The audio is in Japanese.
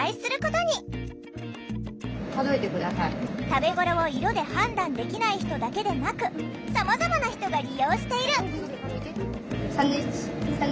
食べ頃を色で判断できない人だけでなくさまざまな人が利用している！